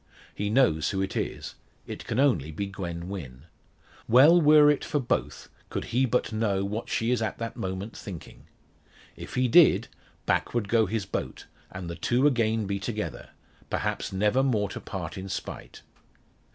He knows who it is; it can only be Gwen Wynn. Well were it for both could he but know what she is at that moment thinking. If he did, back would go his boat, and the two again be together perhaps never more to part in spite.